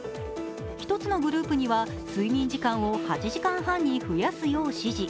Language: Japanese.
１つのグループには睡眠時間を８時半に増やすよう指示。